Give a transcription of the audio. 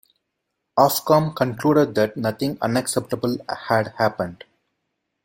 Ofcom concluded that nothing unacceptable had happened.